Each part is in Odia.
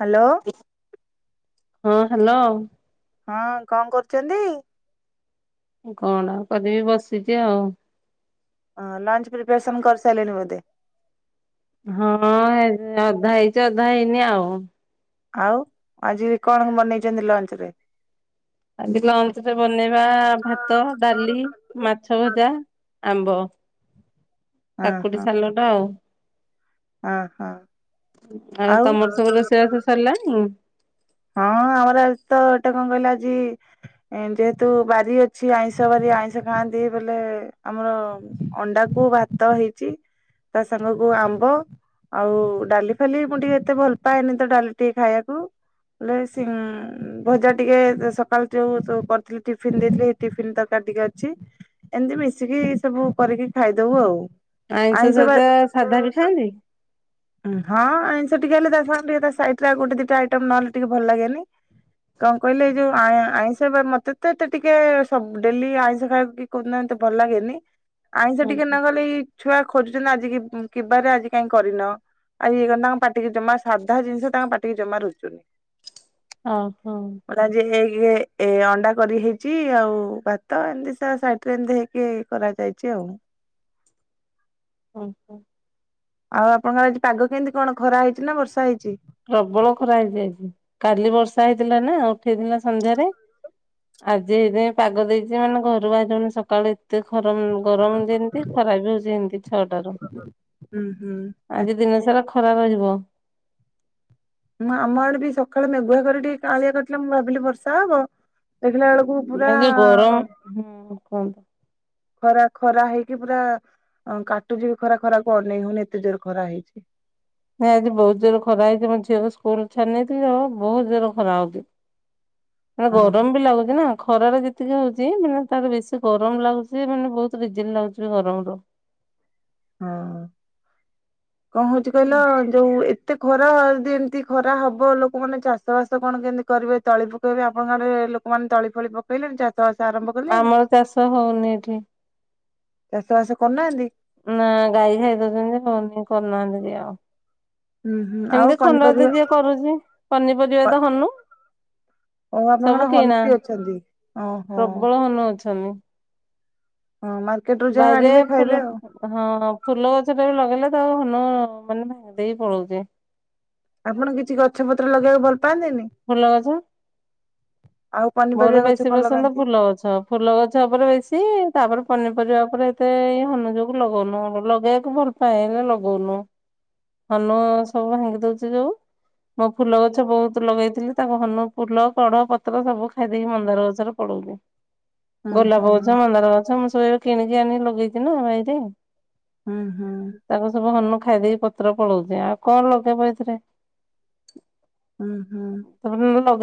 ହ୍ୟାଲୋ। ହଁ ହ୍ୟାଲୋ। ହଁ କଣ କରୁଛନ୍ତି? କଣ କରିବି ବସିଛି ଆଉ। ଅ ଲଂଞ୍ଚ ପ୍ରିପେରେସନ୍ କରି ସାରିଲେଣି ବୋଧେ? ହଁ ହେ ଅଧା ହେଇଚ ଅଧା ହେଇନି ଆଉ। ଆଉ ଆଜି କଣ ବନେଇଛନ୍ତି ଲଞ୍ଚ ରେ? ଆଜି ଲଞ୍ଚ ରେ ବନେଇବା ଭାତ ଡାଲି ମାଛ ଭଜା। ଆମ୍ବ। କାକୁଡି ସାଲଟ ଆଉ। ଓହୋ ଆଉ ତମର ସବୁ ହଁ ରୋଷେଇବାସ ସରିଲାଣି? ଆମର ଆଜି ତ ଏଟା କଣ କହିଲେ ଆଜି ଯେହେତୁ ବାରି ଅଛି ଆଇଁଷ ବାରି ଆଇଁଷ ଖାଆନ୍ତି ବୋଲେ ଆମର ଅଣ୍ଡା କୁ କୁ ଭାତ ହେଇଛିି ତା ସାଙ୍ଗ କ ଆମ୍ବ। ଆଉ ଡାଲି ଫାଲି ମୁଁ ଟିକେ ଏତେ ଭଲ ପାଏନି ତ ଡାଲି ଟିକେ ଖାଇବାକୁ। ବଲେ ଇ ଭଜା ଟିକେ ସକାଳୁ ଯୋଉ କରିଥିଲି ଯୋ ଟିଫିନ ଦେଇଥିଲେ ସେ ଟିଫିନ ତରକାରି। ଟିକେ ଅଛି ଏମତି ମିଶିକି ସବୁ କରିକି ଖାଇଦବୁ ଆଉ। ଆଇଁଷ ସହିତ ସାଧା ବି ଖାଇବେ? ହଁ ଆଇଁଷ ଟିକେ ହେଲେ ତା ସାଙ୍ଗ ଟିକେ ଗୋଟେ ଦିଟା ଆଇଟମ୍ ନହେଲେ ଟିକେ ଭଲ ଲାଗେନି। କଣ କହିଲେ ଏଇ ଯୋଉ ଆ ଆଇଁଷ ବାର ମତେ ତ ଏତେ ଟିକେ ସ ଡେଲି ଆଇଁଷ ଖାଇବାକୁ କୋଉ ଦିନ ଏମିତି ଏତେ ଭଲ ଲାଗେନି। ଆଇଁଷ ଟିକେ ନଗଲେ ଏଇ ଛୁଆ ଖୋଜୁଛନ୍ତି ଆଜି କିିବାରେ ଆଜି କାହିଁ କରିନ। ଆଜି ଇଏ କରିନ ତାଙ୍କ ପାଟିକି ଜମା ସାଧା ଜିନିଷ ତାଙ୍କ ପାଟିିକି ଜମା ରୁଚୁନି। ଓହୋ। କିଏ ଏ ଅଣ୍ଡା କରି ହେଇଛି ଆଉ ଭାତ ଏମିତି ସାଇଡ ରେ ଏମତି ହେଇକି କରାଯାଇଛି। ହଉ। ଓ ହୋ। ଆଉ ଆପଣଙ୍କର ଆଜି ପାଗ କେମିତି କଣ ଖରା ହେଇଛି ନା ବର୍ଷା ହେଇଛି। ପ୍ରବଳ ଖରା ହେଇଯାଇଛି କାଲି ବର୍ଷା ହେଇଥିଲା ନା ଉଠେଇଥିଲା ସନ୍ଧ୍ୟାରେ। ଆଜି ଏଇ ପାଗ ଦେଇଛି ମାନେ ଘରୁ ବାହାର ସକାଳୁ ଏତେ ଖରା। ଗରମ ଗରମ ଯେମିତି ଖରା ବି ହଉଛି ଏମିତି ଛଅଟ ରୁ। ହୁଁ ହୁଁ। ଆଜି ଦିନ ସାରା ଖରା ରହିବ। ହଁ ଆମ ଆଡେ ବି ସକାଳେ ମେଘୁଆ କରି ଟିକେ କାଳିଆ କରିିଥିଲା ମୁଁ ଭାବିଲି ବର୍ଷା ହବ। ଦେଖିଲା ବଳକୁ ପୁରା ଏ ଯୋଉ ଗରମ ହୁଁ କୁହନ୍ତୁ। ଖରା ଖରା ହେଇକି ପୁରା କାଟୁଛି ବି ଖରା ଖରାକୁ ଅନେଇ ହଉନି ଏତେ ଜୋର ଖରା ହେଇଛି। ନାଇଁ ଆଜି ବହୁତ ଜୋର ଖରା ହେଇଛି ମୋ ଝିଅକୁ ସ୍କୁଲ ଛାଡି ନେଇେଇଥିଲି ବହୁତ ଜୋରରେ ଖରା ହଉଚି। ମେ ହଁ ଗରମ ବି ଲାଗୁଛି ନା। ଖରାରେ ଯେତିକି ହଉଛି ମାନେ ତାର ବେଶୀ ଗରମ ଲାଗୁଛି ମାନେ ବହୁତ ଡିଜେଲ ଲାଗୁଛି ଗରମ ରୁ। ହଁ କଣ ହଉଚି କହିଲ ଯୋଉ ଏତେ ଖରା ଯଦି ଏମିତି ଖରା ହବ ଲୋକମାନେେ ଚାଷ ବାସ କଣ କେମିତି କରିବେ ତଳି ପକେଇବେ ଆପଣଙ୍କ ଆଡେ ଲୋକମାନେ ତଳି ଫଳି ପକେଇଲେଣି ଚାଷ ବାସ ଆରମ୍ଭ କଲେଣି? ଆମର ଚାଷ ହଉନି ଏଠି ଚାଶ ବାସ କରନାନ୍ତି? ନା ଗାଈ ଖାଇଦଉଛନ୍ତି ହଉନି କରିୁନାହାନ୍ତି କି ଆଉ। ହୁଁ ହୁଁ ଆଉ ଏମିତି ଖଣ୍ଡ ତ କିଏ ପନିପରିବା କରୁଛି ପନିପରିବା ତ ହନୁ ଓ ଆପଣ କଣ ସବୁ କିଣା ହନୁବି ଅଛନ୍ତି? ଓହୋ ପ୍ରବଳ ମନେଉଛନ୍ତି। ହଁ ମାର୍କେଟ ରୁ ଯାହା ବାଇରେ ଆଣିବେ ଖାଇବେ ଫୁଲ ଆଉ। ହଁ ଫୁଲ ଗଛ ଟା ବି ଲଗେଇଲେ ତଉ ହନ ମାନେ ଭାଙ୍ଗଦେଇ ହି ପଳଉଛି। ଆପଣ କିଛି ଗଛ ପତ୍ର ଲଗେଇବାକୁ ଭଲ ପାଆନ୍ତିନି ଫୁଲ ଗଛ? ଆଉ ମୋର ପନିପରିବା ଗଛ ବେଶୀ କଣ ପସନ୍ଦ ଲଗାନ୍ତି? ଫୁଲ ଗଛ ଫୁଲ ଗଛ ଉପରେ ବେଶୀ ତାପରେ ପନିପରିବା ଉପରେ ଏତେ ଏଇ ହନୁଜକୁ ଲଗଉନୁ ଲଗେଇବାକୁ ଭଲ ପାଏ ହେଲେ ଲଗଉନୁ। ହନୁ ସବୁ ଭାଙ୍ଗି ଦଉଛି ଯୋଉ। ମୋ ଫୁଲ ଗଛ ବହୁତ ଲଗେଇଥିଲି ତାଙ୍କ ହନୁ ଫୁଲ, କଡ, ପତ୍ର ସବୁ ଖାଇଦେଇକି ମନ୍ଦାର ଗଛରେ ପଡଉଛିି ହୁଁ ହୁଁ ଗୋଲାପ ଗଛ, ମନ୍ଦାର ଗଛ ମୁଁ ସବ କିଣିକି ଆଣିକି ଲଗେଇଛି ନା ବାଇରେ ହୁଁ ହୁଁ। ତାକୁ ସବୁ ହନୁ ଖାଇ ଦେଇେଇକି ପତ୍ର ପଳଉଛି ଆଉ କଣ ଲଗେଇବ ଏଥିରେ। ହୁଁ ହୁଁ।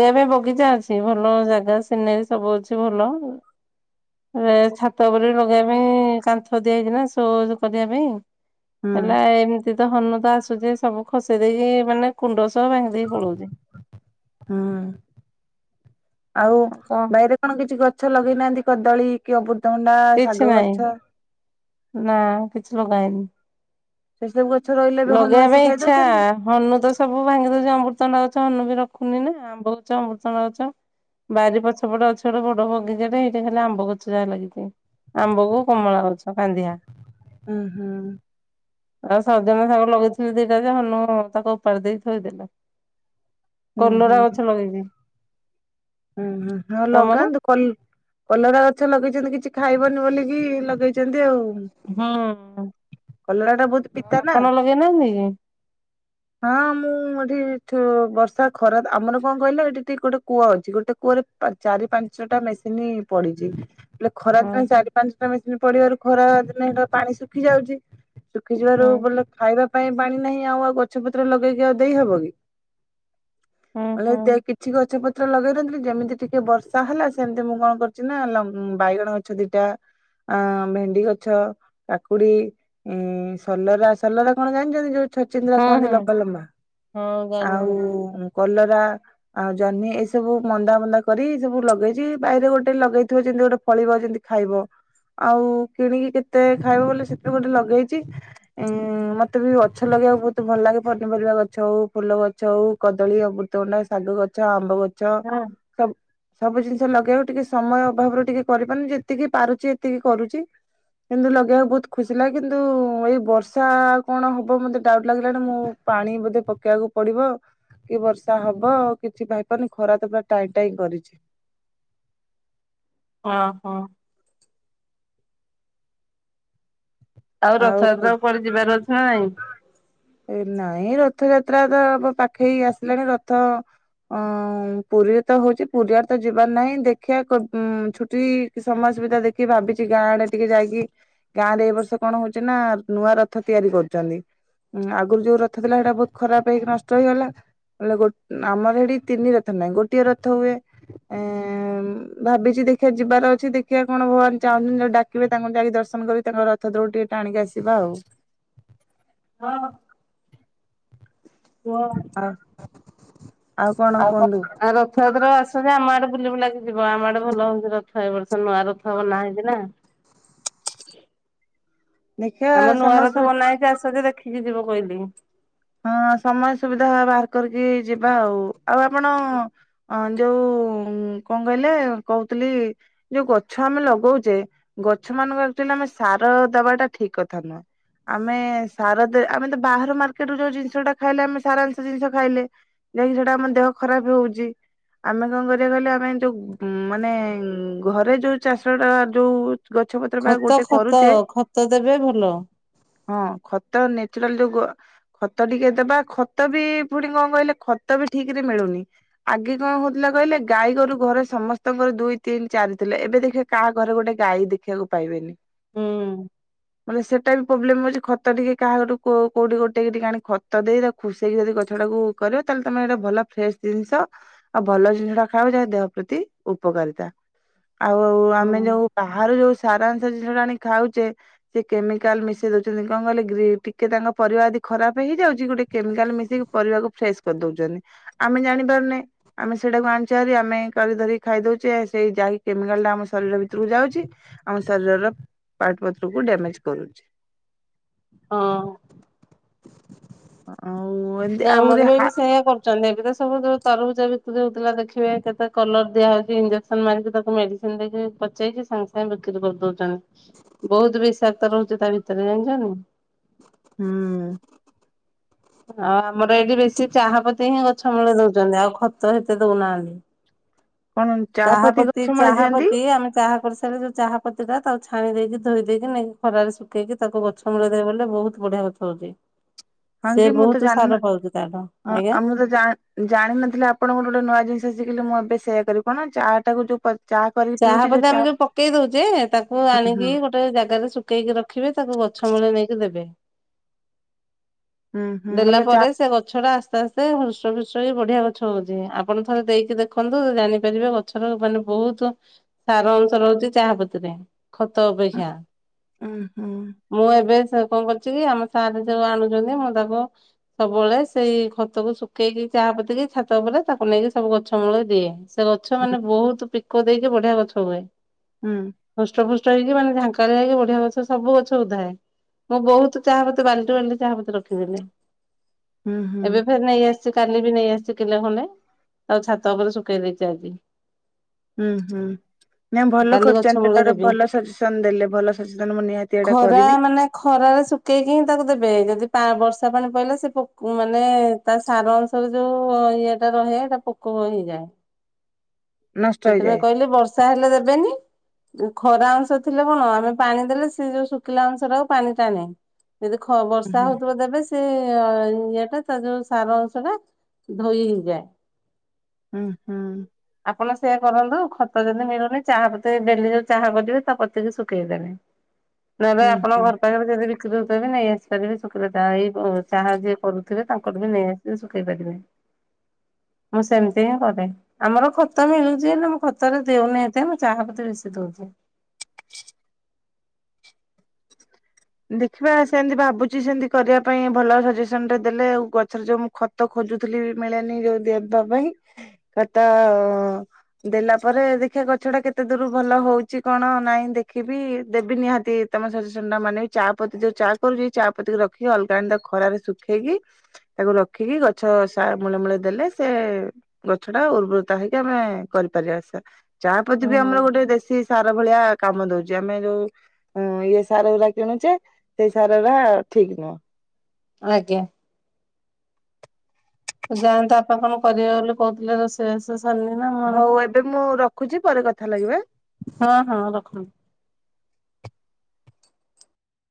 ଏବେ ବଗିଚା ଅଛି ଭଲ ଜାଗା ସିନୋରୀ ସବୁ ଅଛି ଭଲ। ଛାତ ବୋଲି ଲଗେଇବା ପାଇଁ କାନ୍ଥ ଦିଆ ହେଇଛି ନା ସୋ କରିବା ପାଇଁ। ହୁଁ ହେଲା ଏମିତି ତ ହନୁ ତ ଆସୁଛି ସବୁ ଖସେଇ ଦେଇେଇକି ମାନେ କୁଣ୍ଡ ଭାଙ୍ଗି ଦେଇ ପଳାଉଛି। ହୁଁ ଆଉ ବାଇରେ କଣ କିଛି ଗଛ ଲଗେଇନାହାନ୍ତି କଦଳୀ କି ଅବୁ କିଛି ନହିଁ। ନା କିଛି ଲଗା ହେଇନି [unintelligible] ହନୁ ଲଗେଇବା ଆସି ପାଇଁ ଖାଇ ଇଚ୍ଛା ଦଉଛନ୍ତି ହନୁ ତ ସବୁ ଭାଙ୍ଗି ଦଉଛି ଅମୃତଣ୍ଡା ଗଛ ହନୁ ବି ରଖ ଖୁନି ନା ଆମ୍ବ ଗଛ ମୃତଙ୍ଗ ଗଛ ବାରି ପଛପଟ ଅଛି ଗୋଟେ ବଡ ବଗିଚାଟେ ହେଇଟେ ଖାଲି ଆମ୍ବ ଗଛ ଯାହା ଲାଗିଚି ଆମ୍ବକୁ କମଳା ଗଛ କାନ୍ଧିଆ ଉଁହୁଁ। ଆଉ ସଜନା ଶାଗ ଲଗେଇଥିଲି ଦିଇଟା ଯ ହନୁ ତାକୁ ଉପାଡି ଦେଇ ଥୋଇଦେଲେ ହୁଁ କଲରା ହୁଁ ଗଛ ଲଗେଇବି ହୁଁ ହୁଁ ହଁ ଲଗାନ୍ତୁ କଲ୍ କଲରା ଗଛ ଲଗେଇଚନ୍ତି କିଛି ଖାଇବନି ବୋଲିକି ଲଗେଇଚନ୍ତି ଆଉ। ହୁଁ। କଲରା ଟା ବହୁତ ଆଉ ପିତା ନା ଆପଣ ଲଗେଇନାହାନ୍ତି କି? ହଁ ମୁଁ ଏଠି ବର୍ଷା ଖରା ଆମର କଣ କହିଲେ ଏଠି ଟିକେ ଗୋଟେ କୂଅ ଅ ଗୋଟେ କୂଅରେ ପାଚ ଚାରି ପାଞ୍ଚଟା ମେସିନ ପଡିଚି ହେଲେ ଖରା ଦିନେ ହଁ ଚାରି ପାଞ୍ଚଟା ମେସିନ୍ ପଡିବାରୁ ଖରା ଦିନେ ହେଟା ପାଣି ଶୁଖି ଯାଉଚି ଶୁଖିଯିବାରୁ ହଁ ବୋଲେ ଖାଇବା ପାଇଁ ପାଣି ନାହିଁ ଆଉ ଆଉ ଗଛ ପତ୍ର ଲଗେଇକି ଆଉ ଦେଇହବ କି ହଁ ମଲେ ହଁ ଦେ କିଛି ଗଛ ପ ଲଗେଇ ନଥିଲି ଯେମିତି ଟିକେ ବର୍ଷା ହେଲା ସେମିତି ମୁଁ କଣ କରିଚି ନା ବାଇଗଣ ଗଛ ଦିଇଟା ଆ ଭେଣ୍ଡି ଗଛ କାକୁଡି ସଲରା ସଲରା କଣ ଜାଣିଚନ୍ତି ଯୋଉ ଛଚିନ୍ଦ୍ରା ହଁ ହଁ କୁହନ୍ତି ହଁ ଲମ୍ବା ଲମ୍ବା ହଁ ଜାଣିଲି। ଆଉ କଲରା ଜହ୍ନି ଏ ସବୁ ମନ୍ଦା ମନ୍ଦା କରି ସବୁ ଲଗେଇଛି ବାଇରେ ଗୋଟେ ଲଗେଇଥିବ ଯେମତି ଗୋଟେ ଫଳିବ ଯେମିତି ଖାଇବ ଆଉ କିଣିକି କେତେ ଖାଇବ ବଲେ ସେଥିରେ ଗୋଟେ ଲଗେଇଛି ମତେ ବି ଗଛ ଲଗ ବାକୁ ବହୁତ ଭଲ ଲାଗେ ପନିପରିବା ଗଛ ହଉ ଫୁଲ ଗଛ ହଉ କଦଳୀ ଅମୃତଭଣ୍ଡା ଶାଗ ଗଛ ଆମ୍ବ ଗଛ ଚ ହଁ ସବୁ ସବୁ ଜିନିଷ ଲଗେଇବ ଟିକେ ସମୟ ଅଭାବରୁ ଟିକେ କରିପାରୁନି ଯେତିକି ପାରୁଚି ଏତିକି କରୁଚି। କିନ୍ତୁ ଲଗେଇବାକୁ ବହୁତ ଖୁସିିଲାଗେ କିନ୍ତୁ ଏଇ ବର୍ଷା କଣ ହବ ମତେ ଡାଉଟ ଲାଗିଲାଣି ମୁଁ ପାଣି ବୋଧେ ପକେଇବାକୁ ପଡିବ କି ବର୍ଷା ହବ କିଛି ପାଇପାରୁନି ଖରା ତ ପୁରା ଟାଇଁ ଟାଇଁ କରିଚି ଅହଁ। ଆଉ ରଥଯାତ୍ରାକୁ କୁଆଡେ ଯିବାର ଅଛି ନା ନାଇଁ? ଏ ନାଇଁ ରଥଯାତ୍ରା ତ ପାଖେଇ ଆସିଲାଣି ରଥ ଅଁ ପୁରୀରେ ତ ହୋଉଚି ପୁରୀଆଡେ ତ ଯିବାର ନାହିଁ ଦେଖିବା ଛୁଟି ସମୟ ସୁବିଧା ଦେଖି ଭାବିଛି ଗାଁ ଆଡେ ଟିକେ ଯାଇକି ଗାଁରେ ଏଇ ବର୍ଷ କଣ ହଉଛି ନା ନୂଆ ରଥ ତିଆରି କରୁଚନ୍ତି। ଉଁ ଆଗରୁ ଯୋଉ ରଥ ଥିଲା ସେଇଟା ବହୁତ ଖରାପ ହେଇକି ନଷ୍ଟ ହେଇଗଲା। ଲେ ଆମର ସେଠି ତିନି ରଥ ନାହିଁ ଗୋଟିଏ ରଥ ହୁଏ ଏ ଭାବିଛି ଦେଖିବା ଯିବାର ଅଛି ଦେଖିବା କଣ ଭଗବାନ ଚାହୁଁଛନ୍ତି ଯଦି ଡାକିବେ ତାଙ୍କୁ ଯାଇକି ଦର୍ଶନ କରିବି ତାଙ୍କର ର ରଥକୁ ଟିକେ ଟାଣିକି ଆସିବା ଆଉ ହଁ। [unintelligible] ଆଉ ଆଉ କଣ କୁହନ୍ତୁ ରଥଯାତ୍ରାକୁ ଆସ ଯେ ଆମ ଆଡେ ବୁଲି ବୁଲାକି ଯିବ ଆମ ଆଡେ ଭଲ ହଉଛି ରଥ ଏ ବର୍ଷ ନୂଆ ରଥ ବନା ହେଇନାହାନ୍ତି ନା ଦେଖିବା ଆମ ନୂଆ ରଥ ସମସ୍ତେ ବନା ହେଇଛି ଆସ ଯେ ଦେଖିକି ଯିବ କହିଲି ହଁ ସମୟ ସୁବିଧା ବାହାର କରିକି ଯିବା ଆଉ ଆଉ ଆପଣ ଯୋଉ କଣ କହିଲେ କହୁଥିଲି ଯୋଉ ଗଛ ଆମେ ଲଗଉଛେ ଗଛ ମାନଙ୍କର ଏକ୍ଟୁଆଲି ଆମେ ସାର ଦବାଟା ଠିକ କଥା ନୁହଁ ଆମେ ସାର ଆମେ ତ ବାହାର ମା ସେଥିରୁ ଯୋଉ ଜିନିଷ ଟା ଖାଇଲେ ଆମେ ସାରାଂଶ ଜିନିଷ ଖାଇଲେ ଯାହାକି ସେଟା ଆମ ଦେହ ଖରାପ ହୋଉଚି ଆମେ କଣ କରିବା କହିଲେ ଆମେ ଯୋଉ ମାନେ ଘରେ ଯୋଉ ଚାଷ ଟା ଯୋଉ ଗଛ ପତ୍ର ବା ଖତ ଗୋଟେ ଖତ କରୁଛେ ଖତ ଦେବେ ଭଲ ହଁ ଖତ ନେ ଆଜିକାଲି ଯୁଗ। ଖତ ଟିକେ ଦବା ଖତ ବି ପୁଣି କଣ କହିଲେ ଖତ ବି ଠିକ ରେ ମିଳୁନି ଆଗେ କଣ ହଉଥିଲା। କହିଲେ ଗାଈ ଗୋରୁ ଘରେ ସମସ୍ତଙ୍କର ଦୁଇ ତିନି ଚାରି ଥିଲେ ଏବେ ଦେଖିବେ କାହା ଘରେ ଗୋଟେ ଗାଈ ଦେଖିବାକୁ ପାଇବେନି। ହୁଁ। ମାନେ ସେଟା ବି ପ୍ରୋବ୍ଲେମ ହଉଛି ଖତ ଟିକେ କାହା ଘରୁ କୋ-କୋଉଠି କୋଉ। ଟିକେ ଟିକେ ଆଣି ଖତ ଦେଇ ତା ଖୁସେଇକି ଯଦି ଗଛଟାକୁ କରିବ ତାହେଲେ ତମର ଭଲ ଫ୍ରେଶ ଜିନିଷ ଆଉ ଭ ଭଲ ଜିନିଷ ଟା ଖାଅ ଯେ ଦେହ ପ୍ରତି ଉପକାରିତା ଆଉ ହୁଁ ଆମେ ଯୋଉ ବାହାରୁ ଯୋଉ। ସାରାଂଶା ଜିନିଷ ଆଣି ଖାଉଛେ ସେ କେମିକାଲ ମିଶେଇ ଦଉଛନ୍ତି କଣ କହିଲେ ଗ୍ରୀଫ ଫିକେ ତାଙ୍କ ପରିବା ଯଦି। ଖରାପ ହେଇଯାଉଛି ଗୋଟେ କେମିକାଲ ମିଶି ପରିବାକୁ ଫ୍ରେସ କରି ଦଉଛନ୍ତି ଆମେ ଜାଣିପାରୁନେ ଆମେ ସ ସେଟାକୁ ଆଣୁଚି ହେରି ଆମେ କରି ଧରି ଖାଇ ଦଉଛେ ସେଇ ଯାଇ କେମିକାଲ ଟା ଆମ ଶରୀର ଭିତକୁ ଯାଉଛି ଆ ଶରୀରର ପାର୍ଟ ପତ୍ରକୁ ଡ୍ୟାମେଜ କରୁଛି। ହଁ। ହଁ। ନା ଆମର ବି ଏବେ ସେଇଆ କରୁଛନ୍ତି ଏବେ ତ। ସବୁ ଯଉ ତରଭୁଜ ବିିକ୍ରି ହଉଥିଲା ଦେଖିବେ କେତେ କଲର ଦିଆହଉଛି ଇଞ୍ଜେକ୍ସନ ମାରିକି ତାକୁ ମେଡିସିନ ଦେଇକି। ପଚେଇଛି ସାଙ୍ଗେ ସାଙ୍ଗେ ବିକ୍ରି କରିଦଉଛନ୍ତି ବହୁତୁ ବିଷାକ୍ତ ରହୁଛି ତା ଭିତରେ ଜାଣିଛ। ହୁଁ। ଆଉ ଆମର ଏଇଠି ବେଶୀ ଚାହାପତି ହିଁ ଗଛ ମୂଳେ ଦଉଛନ୍ତି ଆଉ ଖତ ହେତେ ଦଉନାହାନ୍ତି। କଣ ଚାହା ପତି ଚାହାପତି ଗଛ ମୂଳେ ଦିଅନ୍ତି ଚାହାପତି ଆମେ ଚାହା କରିସାରିଲେ ଯୋଉ ଚାହା। ପତି ଟା ତାକୁ ଛାଣି ଦେଇକି ଧୋଇ ଦେଇକି ନେଇକି ଖରାରେ ଶୁଖେଇକି ତାକୁ ଗଛ ମୂଳେ ଦେ ବୋଲେ ବହୁତ ବଢିଆ ଗଛ ହଉଛି। ହଁ ସେ କି ମୁଁ ବହୁତ ତ ସାର ଜାଣନ। ପାଉଛି ତାଠୁ ହଁ ଆଜ୍ଞା। ଆଉ ମୁଁ ତ ଜା-ଜାଣିନଥିଲି ଆପଣଙ୍କରୁ ଗୋଟେ ନୂଆ ଜିନିଷ ଶିଖିଲି ମୁଁ ଏବେ। ସେଇଆ କରିବି କଣ ଚା ଟାକୁ ଯୋଉ ପ ଚା କରିକି ଚାହା ପିଉଛି ପତି ଚା ଆମେ ଯୋଉ ପକେଇ ଦଉଛେ ତାକୁ ହୁଁ ଆଣିକି ଗୋଟେ ଜାଗାରେ ଶୁଖେଇକି ରଖିବେ ତାକୁ ଗଛ ମୂଳେ ନେଇକି ଦେବେ। ହୁଁ ଦେଲା ବୋଲେ ଚା ପରେ ସେ ଗଛ ଟା ଆସ୍ତେ ଆସ୍ତେ ହସ ଖୁ ଗଛ ବି ବଢିଆ ଗଛ ହଉଛି ଆପଣ ଥରେ ଦେଇକି ଦେଖନ୍ତୁ ଜାଣିପାରିବେ ଗଛର ମାନେ ବହୁତ। ସାର ଅଂଶ ରହୁଛି ଚାହାପତିରେ ଖତ ଅପେକ୍ଷା। ଉଁ ହୁଁ। ମୁଁ ଏବେ କଣ କରୁଛି କି ଆମ ସାରେ ଯୋଉ ଆଣୁଛନ୍ତି ମୁଁ ତା ବ ସବୁବେଳେ ସେଇ ଖତକୁ ଶୁଖେଇକି ଚାହା ପତିକି ଛାତ ଉପରେ ତାକୁ ନେଇକି ସବୁ ଗଛ ମୂଳେ ଦିଆହେଇଛି। ସେ ଗଛ ହୁଁ ମାନେ ବହୁତ ପିକ ଦେଇକି ବଢିଆ ଗଛ ହୁଏ ହୁଁ ହୃଷ୍ଟ ଫୁ ଗଛ ହେଇକି ମାନେ ଢାଙ୍କରେ ହେଇକି ବଢିଆ ଗଛ ସବୁ ଗଛ ଉଧାଏ। ମୁଁ ବହୁତୁ ଚାହା ପତି ବାଲଟି ବାଲଟି ଚାହା ପତି ରଖିଦେଲି ହୁଁ ଏବେ ହୁଁ ଫେର ନେଇଆସି କାଲି ବି ନେଇ ଆସିଛି କିଲେ ଖଣ୍ଡେ ଆଉ ଛାତ ଉପରେ ଶୁଖେଇ ଦେଇଛି ଆଜି। ହୁଁ ହୁଁ। ନାଇ ଭଲ କାଲି ଗଛ କରୁଛନ୍ତ ମୂଳେ ସେଟା ରେ ଦେବି। ଭଲ ସଜେସନ ଦେଲେ ଭଲ ସଜେସନ୍ ମୁଁ ନିହାତି ଏଟା କରିବି। ଶୁକେଇ ହିଁ ତାକୁ ଦେବେ ଯଦି। ଆଁ ବର୍ଷା ପାଣି ପଇଲେ ସେ ପୋକ ମାନେ ତା ସାର ଅଂଶରେ ଯୋଉ ଇଏଟା ରହେ ଏଟା ପୋକ। କ ହେଇ ହେଇଯାଏ। ନଷ୍ଟ ସେଥିପାଇଁ ହେଇଯାଏ। କହିଲି ବର୍ଷା ହେଲେ ଦେବେନି ଯ ଖରା ଅଂଶ ଥିଲେ କଣ ଆମେ ପାଣି ଦେଲେ ସେ ଯୋଉ ଶୁଖିଲା ଅଂଶ ଟାକୁ ପାଣି ଟାଣେ। ଯଦି ଖ ବର୍ଷା ହୁଁ ହଉଥିବ ଦେବେ ସ ସେ ଇଏଟା ତା ଯୋଉ ସାର ଅଂଶ ଟା ଧୋଇ ହେଇଯାଏ। ହୁଁ ହୁଁ। ଆପଣ ସେୟା କରନ୍ତୁ ଖତ ଯଦି ମିଳୁନି ଚାହା ପତି ଡେଲି ଯୋଉ ଚାହା କରିବେ ତା ପତିକି ଶୁଖେଇଦେବେ। [inaudible] ନହେଲେ ଆପଣ ହୁଁ। ଘର ପାଖରେ ଯଦି ବି କ୍ରି ହଉଥିବ ବି ନେଇ ଆସି ପାରିବେ ଶୁଖିଲା ତା ଏଇ ବ ଚାହା ଯିଏ କରୁଥିବେ ତାଙ୍କଠୁ ବି ନେଇ ଆସି ଶୁଖେଇ ପାରିବେ। ଁ ମୁଁ ସେମିତି ହିଁ କରେ ଆମର ଖ ଖତ ମିଳୁଚି ହେଲେ ମୁଁ ଖତରେ ଦେଉନି ଏତେ ଚାହାପତି ବେଶୀ ଦଉଛି। ଦେଖିବା ସେମିତି ଭାବୁଚି ସେମିତି କରିବା ପାଇଁ ଭଲ ସଜେସନ୍ ଟେ ଦେଲେ ଆଉ ଗଛରେ ଯୋଉ ମୁ ଖତ ଖୋଜୁଥିଲି ମିଳେନି ଯଉ ଦେବା ପାଇଁ କଥା ଦେଲା ପରେ ଦେଖିଆ ଗଛ ଟା କେତେ ଦୂର ଭଲ ହଉଛି କଣ ନାଇଁ ଦେଖିବି ଦେବି ନିହାତି ତମ ସଜେସନ ଟା ମାନେ ଚା ପତି ଯୋଉ ଚା କରୁଛି ଚା ପତି କୁ ରଖିକି ଅଲଗା ଆଣି ଖରାରେ ଶୁଖେଇକି ତାକୁ ରଖିକି ଗଛ ସା ମୂଳେ ମୂଳେ ଦେଲେ ସେ ଗଛ ଟା ଉର୍ବୃରତା ହେଇକି ଆମେ କରିପାରିବା ଆସିବା ଚାହାପତି ବି ଆମର ହଁ। ଗୋଟେ ଦେଶୀ ସାର ଭଳିଆ କାମ ଦଉଛି ଆମେ ଯୋଉ ଇଏ ସାର ଅରା କିଣୁଛେ ସେଇ ସାର ଅରା ଠିକ ନୁହଁ। ଆଜ୍ଞା। ଯାଆନ୍ତୁ ଆପଣ କଣ କରିବେ ବୋଲି କହୁଥିଲେ ରୋଷେଇ ବାସ ସରିନି ନା ମୋର ହଉ ଏବେ ମୁଁ ରଖୁଛି ପରେ କଥା ଲାଗିବା। ହଁ ହଁ ରଖନ୍ତୁ।